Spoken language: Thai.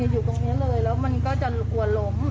อยู่ตรงนี้เลยแล้วมันก็จะกลัวล้ม